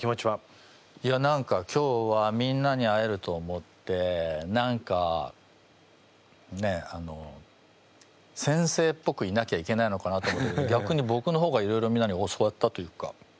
何か今日はみんなに会えると思って何かねえ先生っぽくいなきゃいけないのかなと思ってたけどぎゃくにぼくの方がいろいろみんなに教わったというか。